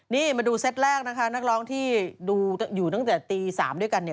นี่มาดูเซตแรกนะคะนักร้องที่ดูอยู่ตั้งแต่ตี๓ด้วยกันเนี่ย